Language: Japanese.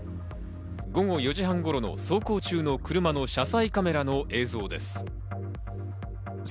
午後４時半頃の走行中の車の車載カメラの映像です。